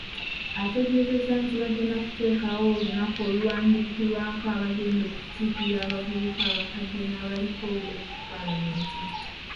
Asuubizza nti bagenda kutegekawo olunaku okuwandiikirako abagenda okukiikirira abavubuka, abakadde, n'abaliko obulemu mu palamenti.